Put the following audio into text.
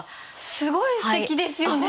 すごいすてきですよね。